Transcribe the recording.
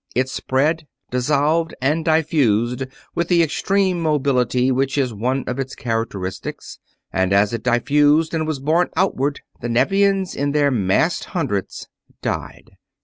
It spread, dissolved, and diffused with the extreme mobility which is one of its characteristics; and as it diffused and was borne outward the Nevians in their massed hundreds died.